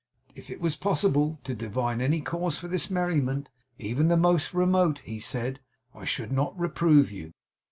'If it was possible to divine any cause for this merriment, even the most remote,' he said, 'I should not reprove you.